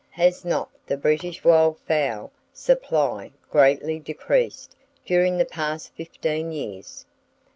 Has not the British wild fowl supply greatly decreased during the past fifteen years?